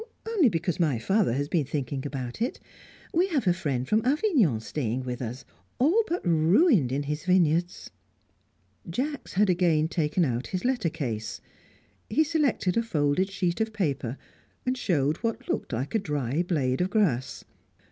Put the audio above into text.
"Only because my father has been thinking about it: we have a friend from Avignon staying with us all but ruined in his vineyards." Jacks had again taken out his letter case. He selected a folded sheet of paper, and showed what looked like a dry blade of grass.